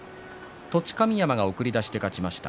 栃神山が送り出しで勝ちました。